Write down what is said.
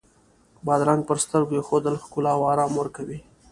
بادرنګ پر سترګو ایښودل ښکلا او آرام ورکوي.